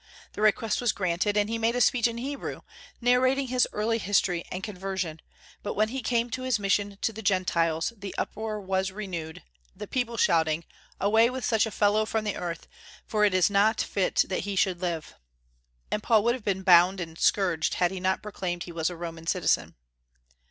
The request was granted, and he made a speech in Hebrew, narrating his early history and conversion; but when he came to his mission to the Gentiles, the uproar was renewed, the people shouting, "Away with such a fellow from the earth, for it is not fit that he should live!" And Paul would have been bound and scourged, had he not proclaimed that he was a Roman citizen.